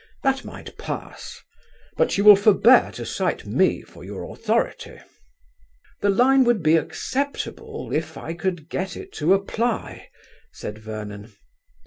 That might pass. But you will forbear to cite me for your authority." "The line would be acceptable if I could get it to apply," said Vernon.